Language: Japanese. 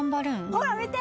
ほら見て！